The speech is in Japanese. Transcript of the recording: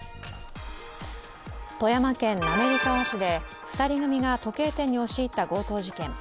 富山県滑川市で２人組が時計店に押し入った強盗事件。